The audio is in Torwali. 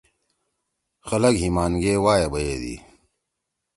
خلگ ہیِمان گے وائے بیدی۔